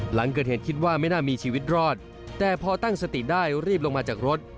หลังเกิดเหตุคิดว่าไม่น่ามีชีวิตรอดแต่พอตั้งสติได้รีบลงมาจากรถ